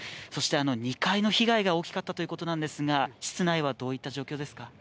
そして２階の被害が大きかったということですが室内はどうですか。